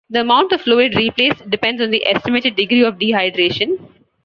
The amount of fluid replaced depends on the estimated degree of dehydration.